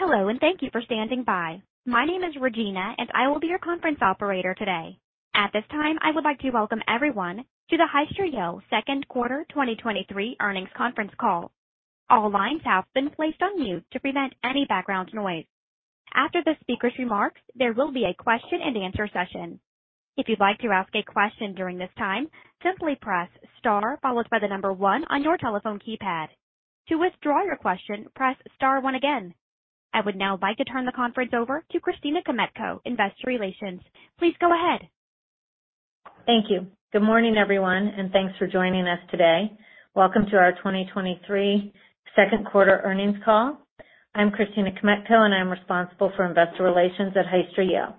Hello, and thank you for standing by. My name is Regina, and I will be your conference operator today. At this time, I would like to welcome everyone to the Hyster-Yale Q2 2023 Earnings Conference Call. All lines have been placed on mute to prevent any background noise. After the speaker's remarks, there will be a question-and-answer session. If you'd like to ask a question during this time, simply press Star followed by 1 on your telephone keypad. To withdraw your question, press Star 1 again. I would now like to turn the conference over to Christina Kmetko, Investor Relations. Please go ahead. Thank you. Good morning, everyone, thanks for joining us today. Welcome to our 2023 2nd quarter earnings call. I'm Christina Kmetko, and I'm responsible for Investor Relations at Hyster-Yale.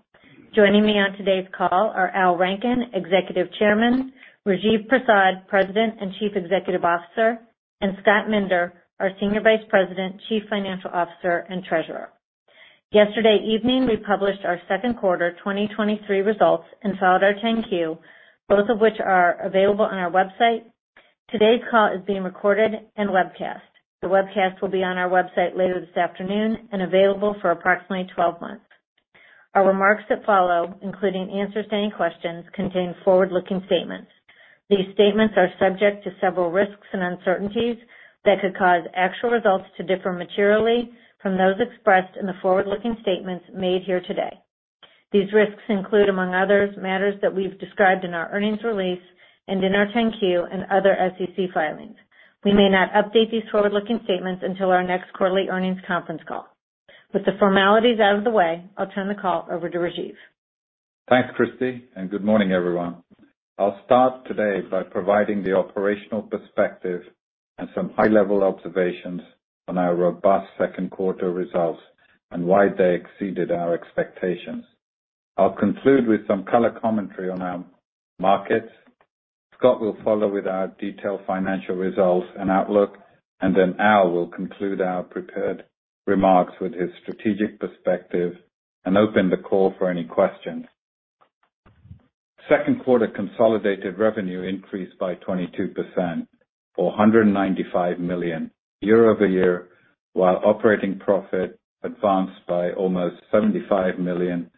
Joining me on today's call are Al Rankin, Executive Chairman, Rajiv Prasad, President and Chief Executive Officer, and Scott Minder, our Senior Vice President, Chief Financial Officer, and Treasurer. Yesterday evening, we published our 2nd quarter 2023 results and filed our 10-Q, both of which are available on our website. Today's call is being recorded and webcast. The webcast will be on our website later this afternoon and available for approximately 12 months. Our remarks that follow, including answers to any questions, contain forward-looking statements. These statements are subject to several risks and uncertainties that could cause actual results to differ materially from those expressed in the forward-looking statements made here today. These risks include, among others, matters that we've described in our earnings release and in our 10-Q and other SEC filings. We may not update these forward-looking statements until our next quarterly earnings conference call. With the formalities out of the way, I'll turn the call over to Rajiv. Thanks, Christy. Good morning, everyone. I'll start today by providing the operational perspective and some high-level observations on our robust Q2 results and why they exceeded our expectations. I'll conclude with some color commentary on our markets. Scott will follow with our detailed financial results and outlook. Al will conclude our prepared remarks with his strategic perspective and open the call for any questions. Q2 consolidated revenue increased by 22%, or $195 million year-over-year, while operating profit advanced by almost $75 million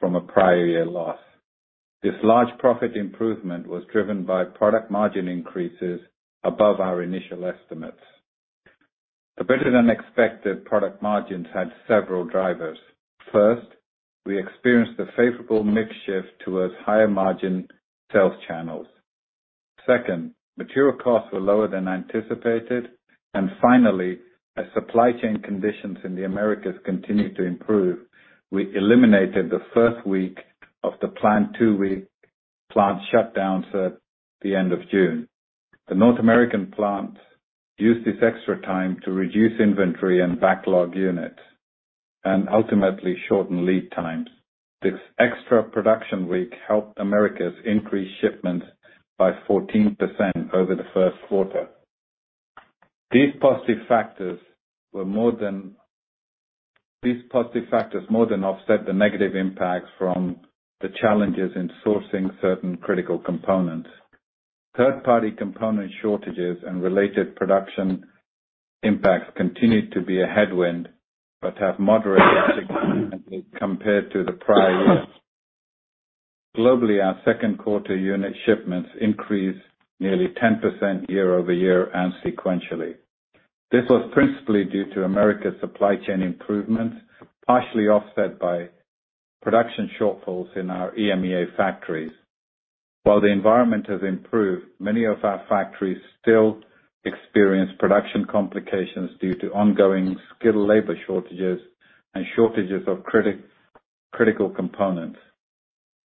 from a prior year loss. This large profit improvement was driven by product margin increases above our initial estimates. The better-than-expected product margins had several drivers. First, we experienced a favorable mix shift towards higher-margin sales channels. Second, material costs were lower than anticipated. Finally, as supply chain conditions in the Americas continued to improve, we eliminated the first week of the planned two-week plant shutdown to the end of June. The North American plant used this extra time to reduce inventory and backlog units and ultimately shorten lead times. This extra production week helped Americas increase shipments by 14% over the Q1. These positive factors more than offset the negative impacts from the challenges in sourcing certain critical components. Third-party component shortages and related production impacts continued to be a headwind, but have moderated compared to the prior year. Globally, our Q2 unit shipments increased nearly 10% year-over-year and sequentially. This was principally due to America's supply chain improvements, partially offset by production shortfalls in our EMEA factories. While the environment has improved, many of our factories still experience production complications due to ongoing skilled labor shortages and shortages of critical components.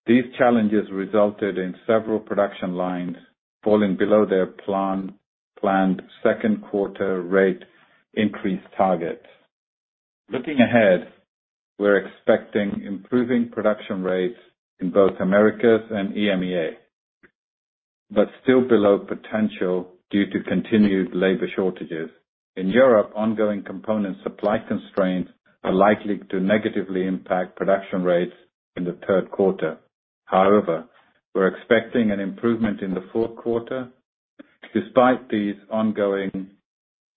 These challenges resulted in several production lines falling below their plan, planned 2Q rate increase targets. Looking ahead, we're expecting improving production rates in both Americas and EMEA, but still below potential due to continued labor shortages. In Europe, ongoing component supply constraints are likely to negatively impact production rates in the Q3. However, we're expecting an improvement in the Q3. Despite these ongoing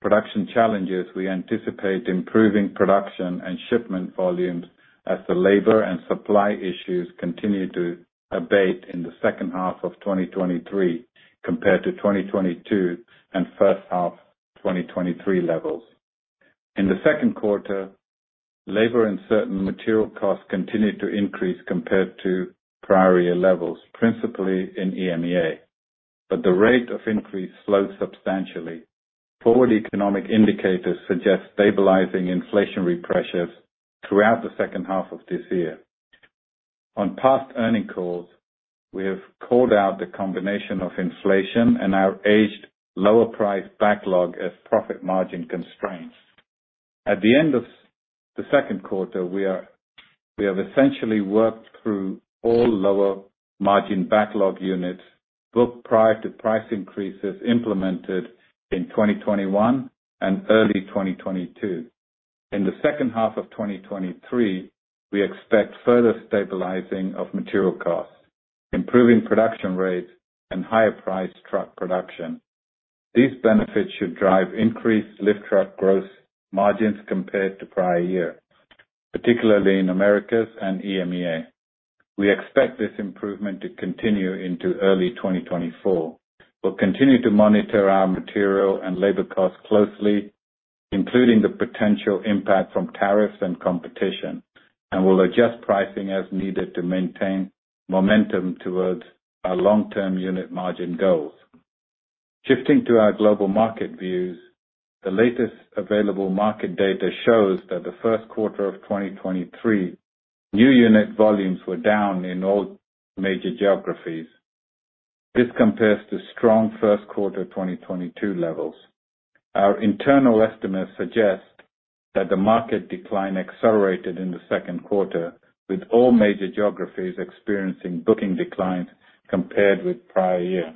production challenges, we anticipate improving production and shipment volumes as the labor and supply issues continue to abate in the second half of 2023 compared to 2022 and first half 2023 levels. In the Q2, labor and certain material costs continued to increase compared to prior year levels, principally in EMEA, but the rate of increase slowed substantially. Forward economic indicators suggest stabilizing inflationary pressures throughout the second half of this year. On past earning calls, we have called out the combination of inflation and our aged lower price backlog as profit margin constraints. At the end of the Q2, we have essentially worked through all lower margin backlog units booked prior to price increases implemented in 2021 and early 2022. In the second half of 2023, we expect further stabilizing of material costs, improving production rates, and higher priced truck production. These benefits should drive increased lift truck growth margins compared to prior year, particularly in Americas and EMEA. We expect this improvement to continue into early 2024. We'll continue to monitor our material and labor costs closely, including the potential impact from tariffs and competition. We'll adjust pricing as needed to maintain momentum towards our long-term unit margin goals. Shifting to our global market views, the latest available market data shows that the Q1 of 2023, new unit volumes were down in all major geographies. This compares to strong Q1 2022 levels. Our internal estimates suggest that the market decline accelerated in the Q2, with all major geographies experiencing booking declines compared with prior year.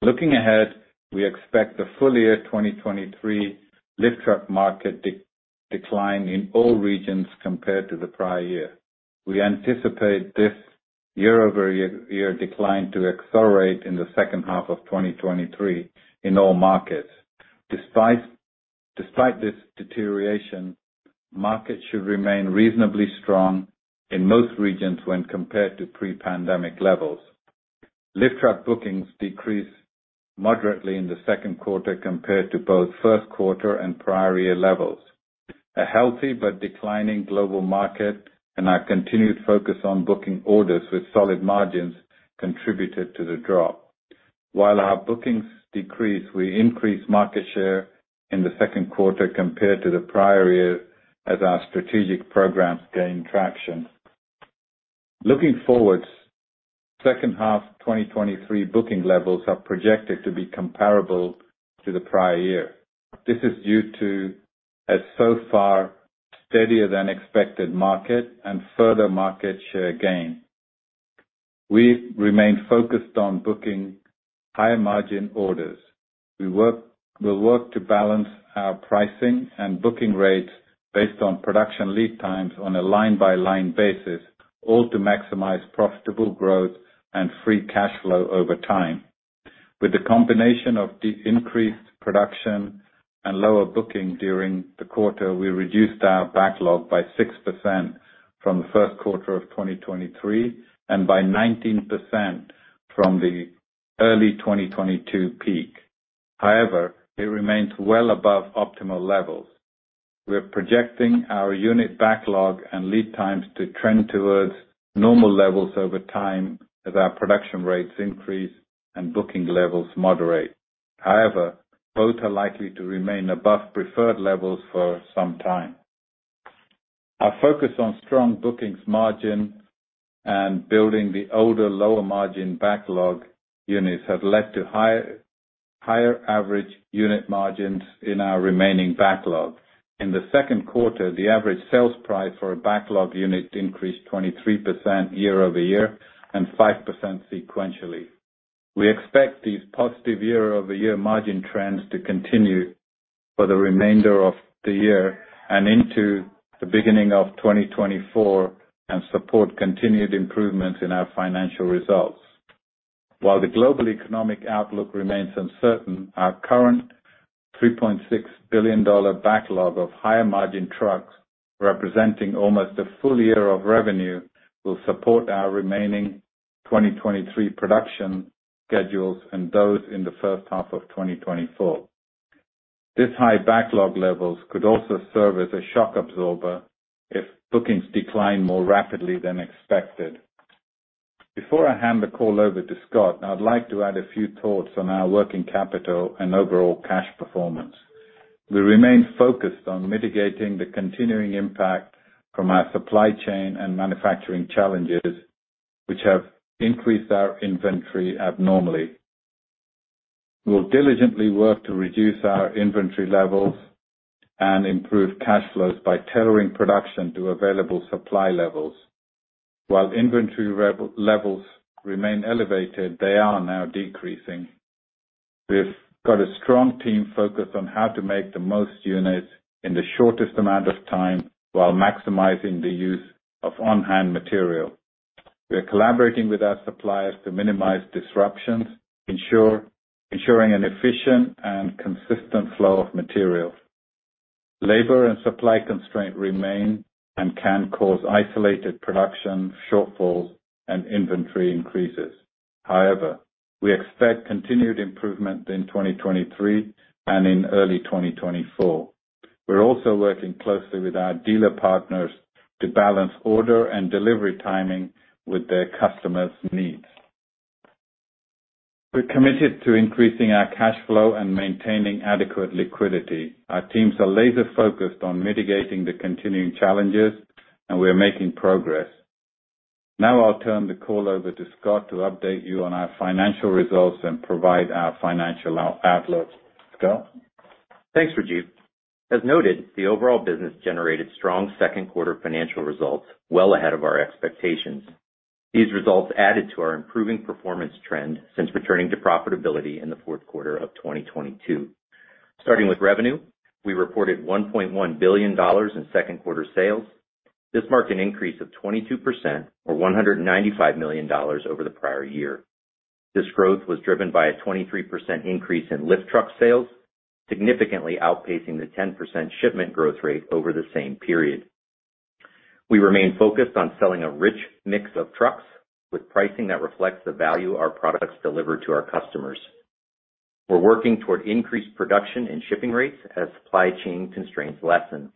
Looking ahead, we expect the full year 2023 lift truck market decline in all regions compared to the prior year. We anticipate this year-over-year decline to accelerate in the second half of 2023 in all markets. Despite this deterioration, markets should remain reasonably strong in most regions when compared to pre-pandemic levels. Lift truck bookings decreased moderately in the Q2 compared to both Q1 and prior year levels. A healthy but declining global market and our continued focus on booking orders with solid margins contributed to the drop. While our bookings decreased, we increased market share in the Q2 compared to the prior year as our strategic programs gained traction. Looking forward, second half 2023 booking levels are projected to be comparable to the prior year. This is due to, as so far, steadier than expected market and further market share gain. We'll work to balance our pricing and booking rates based on production lead times on a line-by-line basis, all to maximize profitable growth and free cash flow over time. With the combination of the increased production and lower booking during the quarter, we reduced our backlog by 6% from the Q1 of 2023, and by 19% from the early 2022 peak. However, it remains well above optimal levels. We're projecting our unit backlog and lead times to trend towards normal levels over time as our production rates increase and booking levels moderate. However, both are likely to remain above preferred levels for some time. Our focus on strong bookings margin and building the older, lower margin backlog units have led to higher average unit margins in our remaining backlog. In the Q2, the average sales price for a backlog unit increased 23% year-over-year and 5% sequentially. We expect these positive year-over-year margin trends to continue for the remainder of the year and into the beginning of 2024, support continued improvement in our financial results. While the global economic outlook remains uncertain, our current $3.6 billion backlog of higher margin trucks, representing almost a full year of revenue, will support our remaining 2023 production schedules and those in the first half of 2024. This high backlog levels could also serve as a shock absorber if bookings decline more rapidly than expected. Before I hand the call over to Scott, I'd like to add a few thoughts on our working capital and overall cash performance. We remain focused on mitigating the continuing impact from our supply chain and manufacturing challenges, which have increased our inventory abnormally. We'll diligently work to reduce our inventory levels and improve cash flows by tailoring production to available supply levels. While inventory levels remain elevated, they are now decreasing. We've got a strong team focused on how to make the most units in the shortest amount of time while maximizing the use of on-hand material. We are collaborating with our suppliers to minimize disruptions, ensuring an efficient and consistent flow of materials. Labor and supply constraints remain and can cause isolated production shortfalls and inventory increases. However, we expect continued improvement in 2023 and in early 2024. We're also working closely with our dealer partners to balance order and delivery timing with their customers' needs. We're committed to increasing our cash flow and maintaining adequate liquidity. Our teams are laser focused on mitigating the continuing challenges, and we are making progress. Now I'll turn the call over to Scott to update you on our financial results and provide our financial outlook. Scott? Thanks, Rajiv. As noted, the overall business generated strong Q2 financial results well ahead of our expectations. These results added to our improving performance trend since returning to profitability in the Q1 of 2022. Starting with revenue, we reported $1.1 billion in Q2 sales. This marked an increase of 22% or $195 million over the prior year. This growth was driven by a 23% increase in lift truck sales, significantly outpacing the 10% shipment growth rate over the same period. We remain focused on selling a rich mix of trucks, with pricing that reflects the value our products deliver to our customers. We're working toward increased production and shipping rates as supply chain constraints lessen.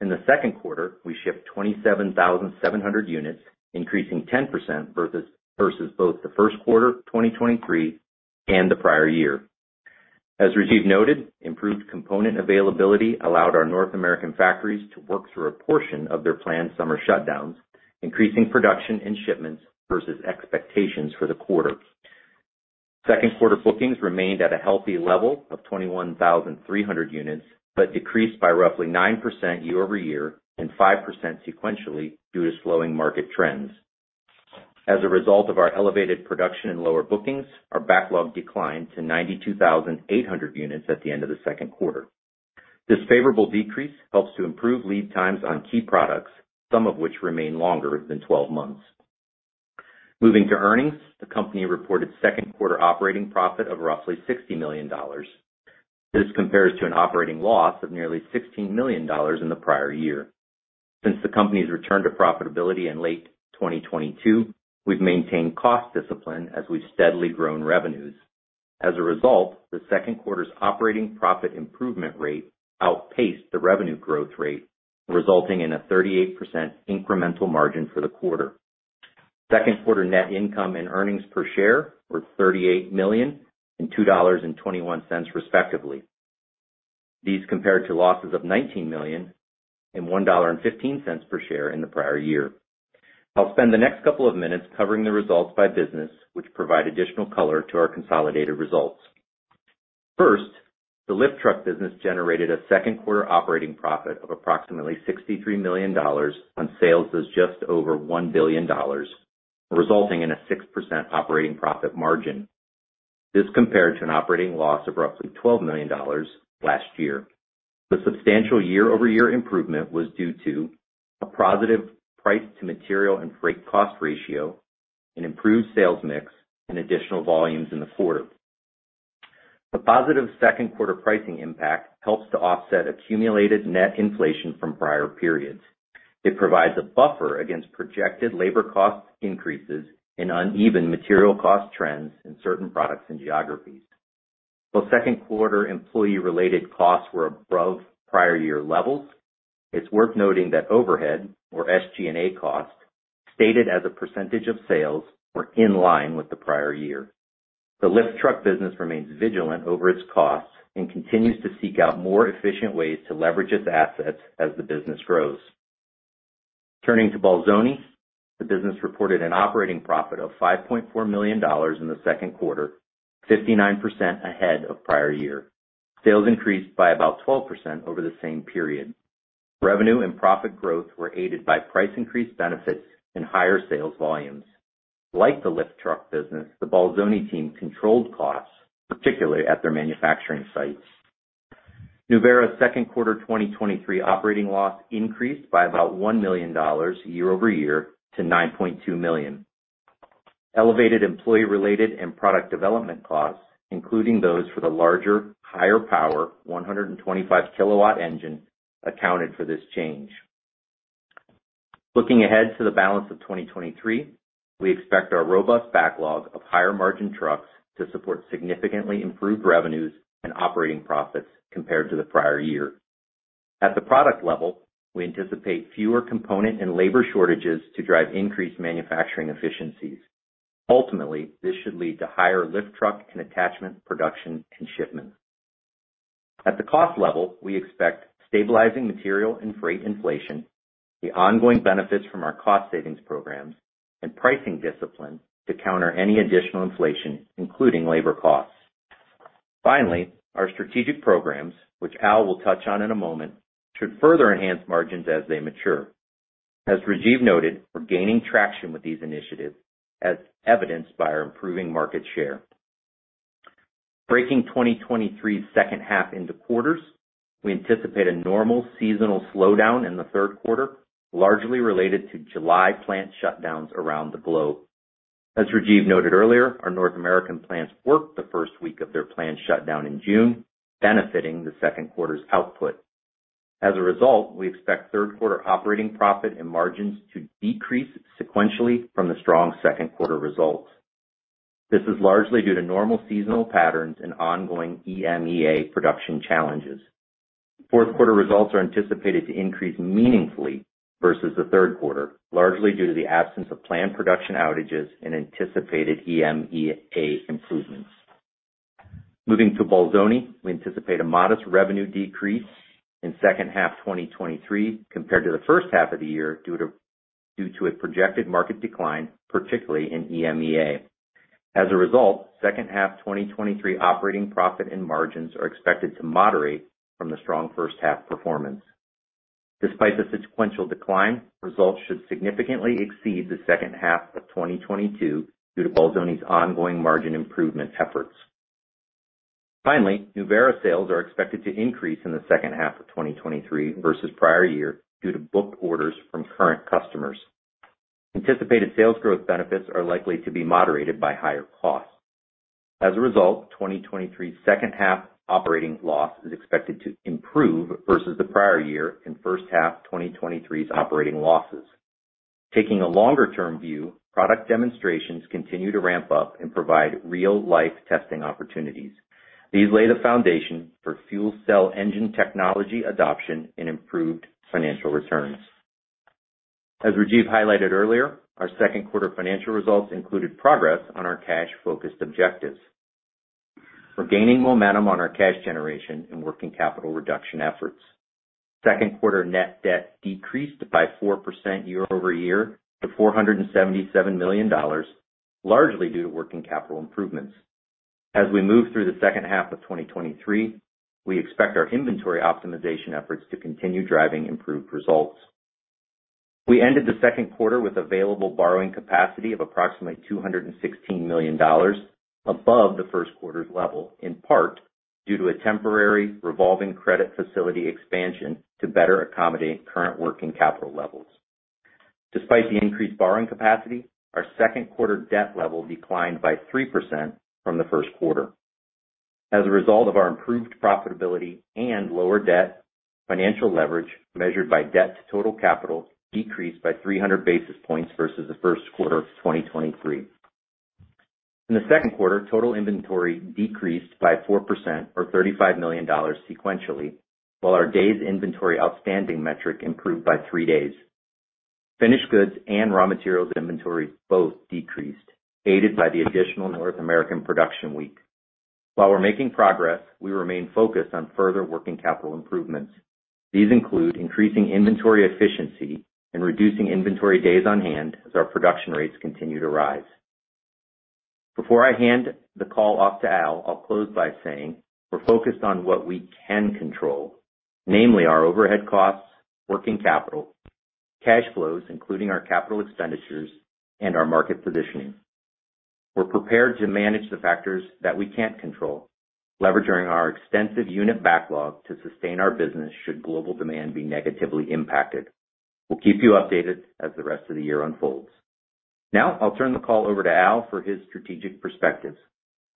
In the Q2, we shipped 27,700 units, increasing 10% versus, versus both the Q1, 2023 and the prior year. As Rajiv noted, improved component availability allowed our North American factories to work through a portion of their planned summer shutdowns, increasing production and shipments versus expectations for the quarter. Q2 bookings remained at a healthy level of 21,300 units, decreased by roughly 9% year-over-year and 5% sequentially, due to slowing market trends. As a result of our elevated production and lower bookings, our backlog declined to 92,800 units at the end of the Q2. This favorable decrease helps to improve lead times on key products, some of which remain longer than 12 months. Moving to earnings, the company reported Q2 operating profit of roughly $60 million. This compares to an operating loss of nearly $16 million in the prior year. Since the company's return to profitability in late 2022, we've maintained cost discipline as we've steadily grown revenues. As a result, the Q2's operating profit improvement rate outpaced the revenue growth rate, resulting in a 38% incremental margin for the quarter. Q2 net income and earnings per share were $38 million and $2.21, respectively. These compared to losses of $19 million and $1.15 per share in the prior year. I'll spend the next couple of minutes covering the results by business, which provide additional color to our consolidated results. First, the lift truck business generated a Q2 operating profit of approximately $63 million on sales of just over $1 billion, resulting in a 6% operating profit margin. This compared to an operating loss of roughly $12 million last year. The substantial year-over-year improvement was due to a positive price to material and freight cost ratio, an improved sales mix and additional volumes in the quarter. The positive Q2 pricing impact helps to offset accumulated net inflation from prior periods. It provides a buffer against projected labor cost increases and uneven material cost trends in certain products and geographies. The Q2 employee-related costs were above prior year levels. It's worth noting that overhead, or SG&A costs, stated as a % of sales, were in line with the prior year. The lift truck business remains vigilant over its costs and continues to seek out more efficient ways to leverage its assets as the business grows. Turning to Bolzoni, the business reported an operating profit of $5.4 million in the Q2, 59% ahead of prior year. Sales increased by about 12% over the same period. Revenue and profit growth were aided by price increase benefits and higher sales volumes. Like the lift truck business, the Bolzoni team controlled costs, particularly at their manufacturing sites. Nuvera's Q2 2023 operating loss increased by about $1 million year-over-year to $9.2 million. Elevated employee-related and product development costs, including those for the larger, higher power, 125 kilowatt engine, accounted for this change. Looking ahead to the balance of 2023, we expect our robust backlog of higher-margin trucks to support significantly improved revenues and operating profits compared to the prior year. At the product level, we anticipate fewer component and labor shortages to drive increased manufacturing efficiencies. Ultimately, this should lead to higher lift truck and attachment, production and shipment. At the cost level, we expect stabilizing material and freight inflation, the ongoing benefits from our cost savings programs, and pricing discipline to counter any additional inflation, including labor costs. Finally, our strategic programs, which Al will touch on in a moment, should further enhance margins as they mature. As Rajiv noted, we're gaining traction with these initiatives, as evidenced by our improving market share. Breaking 2023's second half into quarters, we anticipate a normal seasonal slowdown in the Q3, largely related to July plant shutdowns around the globe. As Rajiv noted earlier, our North American plants worked the first week of their plant shutdown in June, benefiting the Q2's output. As a result, we expect 3rd quarter operating profit and margins to decrease sequentially from the strong 2nd quarter results. This is largely due to normal seasonal patterns and ongoing EMEA production challenges. 4th quarter results are anticipated to increase meaningfully versus the 3rd quarter, largely due to the absence of planned production outages and anticipated EMEA improvements. Moving to Bolzoni, we anticipate a modest revenue decrease in 2nd half 2023 compared to the 1st half of the year, due to a projected market decline, particularly in EMEA. As a result, 2nd half 2023 operating profit and margins are expected to moderate from the strong 1st half performance. Despite the sequential decline, results should significantly exceed the 2nd half of 2022 due to Bolzoni's ongoing margin improvement efforts. Finally, Nuvera sales are expected to increase in the second half of 2023 versus prior year, due to booked orders from current customers. Anticipated sales growth benefits are likely to be moderated by higher costs. As a result, 2023's second half operating loss is expected to improve versus the prior year and first half 2023's operating losses. Taking a longer-term view, product demonstrations continue to ramp up and provide real-life testing opportunities. These lay the foundation for fuel cell engine technology adoption and improved financial returns. As Rajiv highlighted earlier, our Q2 financial results included progress on our cash-focused objectives. We're gaining momentum on our cash generation and working capital reduction efforts. Q2 net debt decreased by 4% year-over-year to $477 million, largely due to working capital improvements. As we move through the second half of 2023, we expect our inventory optimization efforts to continue driving improved results. We ended the Q2 with available borrowing capacity of approximately $216 million, above the Q1's level, in part, due to a temporary revolving credit facility expansion to better accommodate current working capital levels. Despite the increased borrowing capacity, our Q2 debt level declined by 3% from the Q1. As a result of our improved profitability and lower debt, financial leverage, measured by debt-to-total-capital, decreased by 300 basis points versus the Q1 of 2023. In the Q2, total inventory decreased by 4% or $35 million sequentially, while our days inventory outstanding metric improved by 3 days. Finished goods and raw materials inventories both decreased, aided by the additional North American production week. While we're making progress, we remain focused on further working capital improvements. These include increasing inventory efficiency and reducing inventory days on hand as our production rates continue to rise. Before I hand the call off to Al, I'll close by saying, we're focused on what we can control, namely our overhead costs, working capital, cash flows, including our capital expenditures and our market positioning. We're prepared to manage the factors that we can't control, leveraging our extensive unit backlog to sustain our business, should global demand be negatively impacted. We'll keep you updated as the rest of the year unfolds. Now, I'll turn the call over to Al for his strategic perspectives.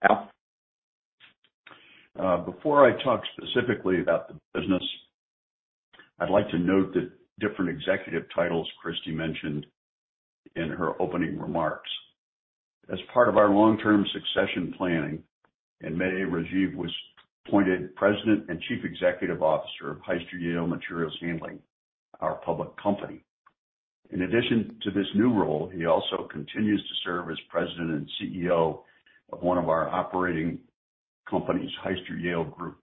Al? Before I talk specifically about the business, I'd like to note the different executive titles Kristi mentioned in her opening remarks. As part of our long-term succession planning, in May, Rajiv was appointed President and Chief Executive Officer of Hyster-Yale Materials Handling, our public company. In addition to this new role, he also continues to serve as President and CEO of one of our operating companies, Hyster-Yale Group.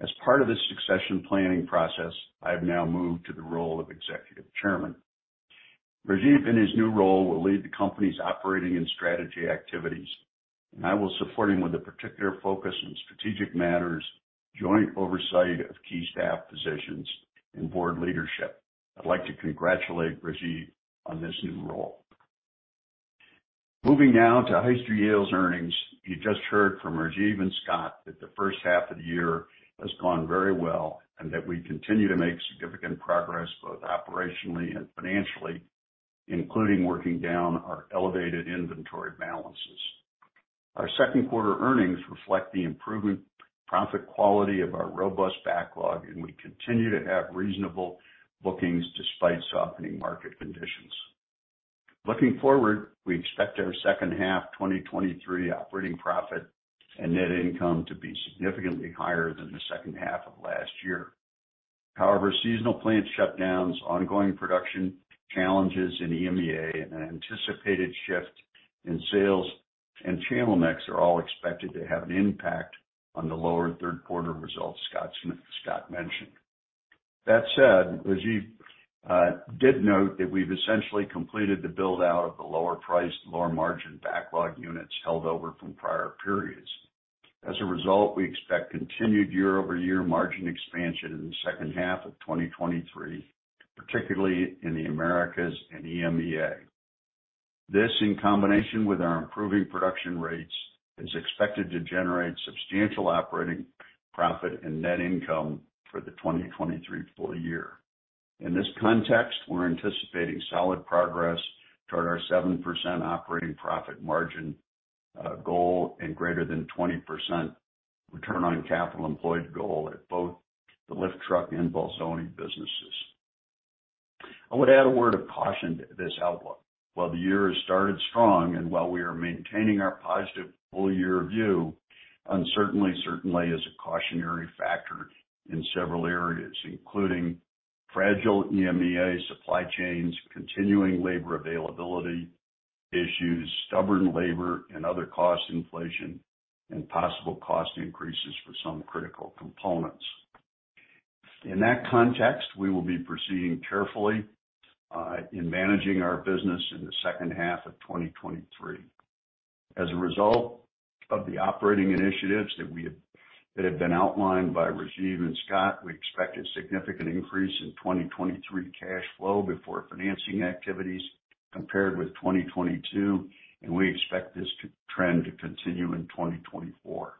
As part of the succession planning process, I have now moved to the role of Executive Chairman. Rajiv, in his new role, will lead the company's operating and strategy activities, and I will support him with a particular focus on strategic matters, joint oversight of key staff positions, and board leadership. I'd like to congratulate Rajiv on this new role. Moving now to Hyster-Yale's earnings. You just heard from Rajiv and Scott that the first half of the year has gone very well, and that we continue to make significant progress, both operationally and financially, including working down our elevated inventory balances. Our Q2 earnings reflect the improved profit quality of our robust backlog, and we continue to have reasonable bookings despite softening market conditions. Looking forward, we expect our second half 2023 operating profit and net income to be significantly higher than the second half of last year. However, seasonal plant shutdowns, ongoing production challenges in EMEA, and an anticipated shift in sales and channel mix, are all expected to have an impact on the lower Q3 results Scott mentioned. That said, Rajiv, did note that we've essentially completed the build-out of the lower-priced, lower-margin backlog units held over from prior periods. As a result, we expect continued year-over-year margin expansion in the second half of 2023, particularly in the Americas and EMEA. This, in combination with our improving production rates, is expected to generate substantial operating profit and net income for the 2023 full year. In this context, we're anticipating solid progress toward our 7% operating profit margin goal, and greater than 20% return on capital employed goal at both the lift truck and Bolzoni businesses. I would add a word of caution to this outlook. While the year has started strong, and while we are maintaining our positive full-year view, uncertainty certainly is a cautionary factor in several areas, including fragile EMEA supply chains, continuing labor availability issues, stubborn labor and other cost inflation, and possible cost increases for some critical components. In that context, we will be proceeding carefully in managing our business in the second half of 2023. As a result of the operating initiatives that we have, that have been outlined by Rajiv and Scott, we expect a significant increase in 2023 cash flow before financing activities compared with 2022. We expect this to trend to continue in 2024.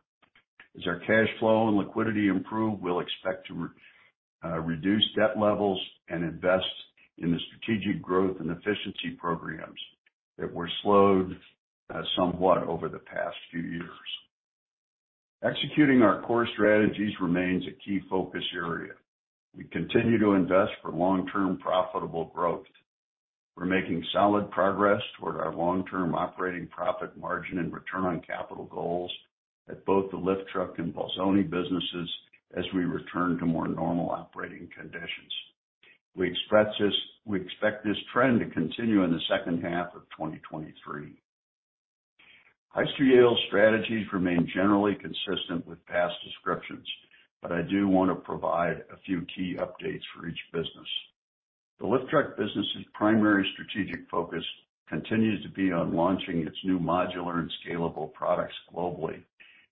As our cash flow and liquidity improve, we'll expect to reduce debt levels and invest in the strategic growth and efficiency programs that were slowed somewhat over the past few years. Executing our core strategies remains a key focus area. We continue to invest for long-term, profitable growth. We're making solid progress toward our long-term operating profit margin and return on capital goals at both the lift truck and Bolzoni businesses as we return to more normal operating conditions. We expect this trend to continue in the second half of 2023. Hyster-Yale's strategies remain generally consistent with past descriptions, but I do want to provide a few key updates for each business. The lift truck business's primary strategic focus continues to be on launching its new modular and scalable products globally,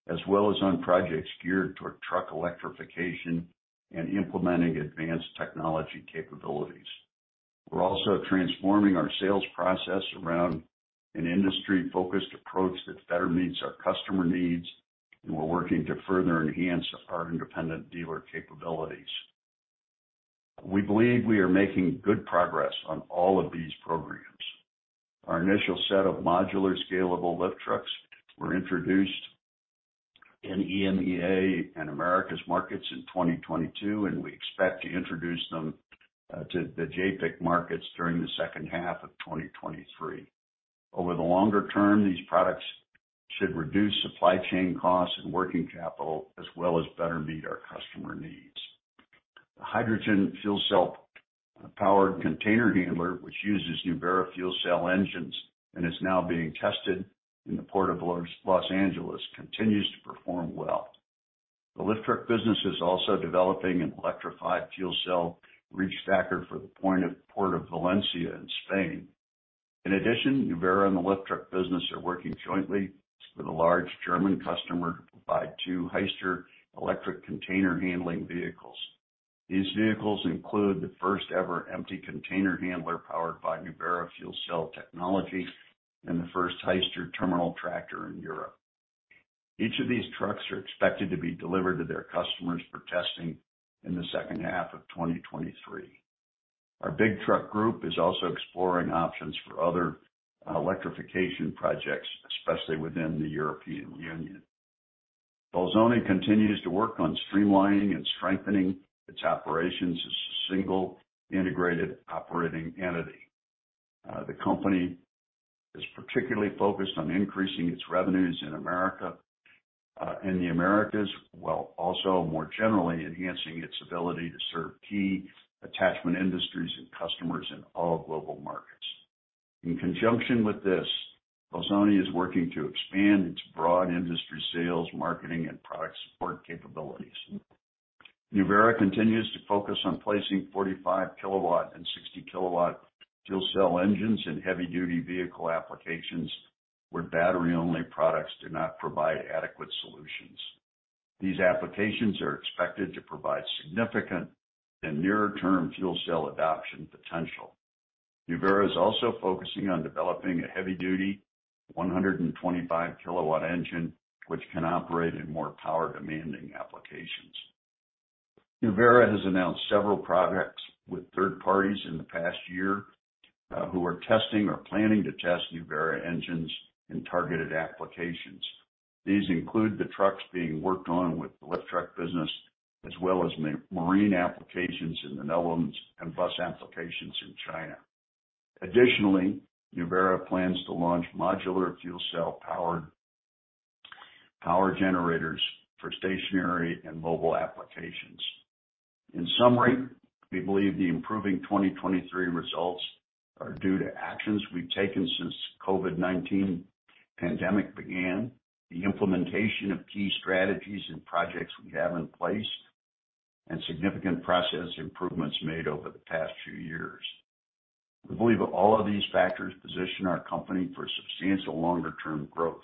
as well as on projects geared toward truck electrification and implementing advanced technology capabilities. We're also transforming our sales process around an industry-focused approach that better meets our customer needs, and we're working to further enhance our independent dealer capabilities. We believe we are making good progress on all of these programs. Our initial set of modular, scalable lift trucks were introduced in EMEA and Americas markets in 2022, and we expect to introduce them to the JAPIC markets during the second half of 2023. Over the longer term, these products should reduce supply chain costs and working capital, as well as better meet our customer needs. The hydrogen fuel cell-powered container handler, which uses Nuvera fuel cell engines and is now being tested in the Port of Los Angeles, continues to perform well. The lift truck business is also developing an electrified fuel cell reach stacker for the Port of Valencia in Spain. In addition, Nuvera and the lift truck business are working jointly with a large German customer to provide two Hyster electric container handling vehicles. These vehicles include the first-ever empty container handler powered by Nuvera fuel cell technology and the first Hyster terminal tractor in Europe. Each of these trucks are expected to be delivered to their customers for testing in the second half of 2023. Our Big Truck group is also exploring options for other electrification projects, especially within the European Union. Bolzoni continues to work on streamlining and strengthening its operations as a single integrated operating entity. The company is particularly focused on increasing its revenues in America, in the Americas, while also more generally enhancing its ability to serve key attachment industries and customers in all global markets. In conjunction with this, Bolzoni is working to expand its broad industry sales, marketing, and product support capabilities. Nuvera continues to focus on placing 45 kilowatt and 60 kilowatt fuel cell engines in heavy-duty vehicle applications where battery-only products do not provide adequate solutions. These applications are expected to provide significant and nearer-term fuel cell adoption potential. Nuvera is also focusing on developing a heavy-duty 125 kilowatt engine, which can operate in more power-demanding applications. Nuvera has announced several projects with third parties in the past year, who are testing or planning to test Nuvera engines in targeted applications. These include the trucks being worked on with the lift truck business, as well as marine applications in the Netherlands and bus applications in China. Additionally, Nuvera plans to launch modular fuel cell-powered power generators for stationary and mobile applications. In summary, we believe the improving 2023 results are due to actions we've taken since COVID-19 pandemic began, the implementation of key strategies and projects we have in place, and significant process improvements made over the past few years. We believe that all of these factors position our company for substantial longer-term growth.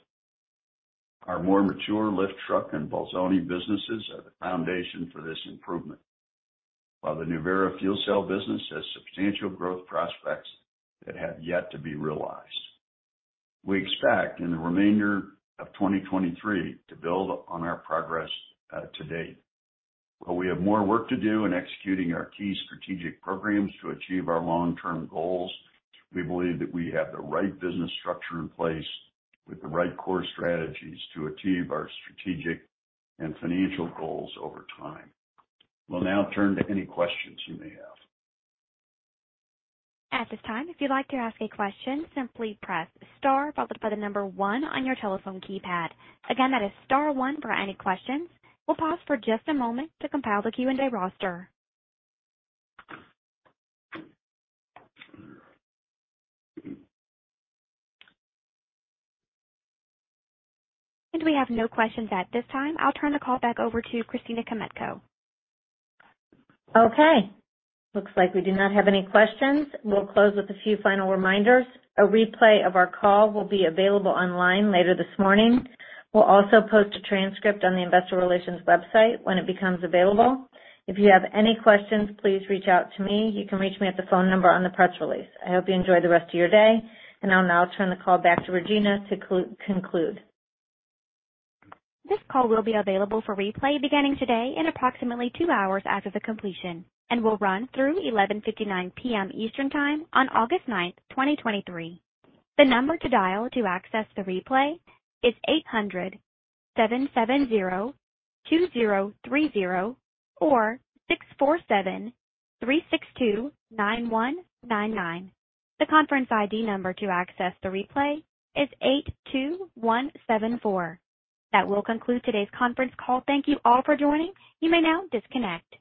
Our more mature lift truck and Bolzoni businesses are the foundation for this improvement, while the Nuvera fuel cell business has substantial growth prospects that have yet to be realized. We expect in the remainder of 2023 to build on our progress to date. While we have more work to do in executing our key strategic programs to achieve our long-term goals, we believe that we have the right business structure in place with the right core strategies to achieve our strategic and financial goals over time. We'll now turn to any questions you may have. At this time, if you'd like to ask a question, simply press star followed by 1 on your telephone keypad. Again, that is star 1 for any questions. We'll pause for just a moment to compile the Q&A roster. We have no questions at this time. I'll turn the call back over to Christina Kmetko. Okay, looks like we do not have any questions. We'll close with a few final reminders. A replay of our call will be available online later this morning. We'll also post a transcript on the investor relations website when it becomes available. If you have any questions, please reach out to me. You can reach me at the phone number on the press release. I hope you enjoy the rest of your day, and I'll now turn the call back to Regina to conclude. This call will be available for replay beginning today in approximately two hours after the completion and will run through 11:59 P.M. Eastern time on August 9th, 2023. The number to dial to access the replay is 800-770-2030 or 647-362-9199. The conference ID number to access the replay is 82174. That will conclude today's conference call. Thank you all for joining. You may now disconnect.